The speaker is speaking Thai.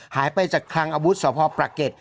หายไปจากคลังอาวุธสพประเก็ต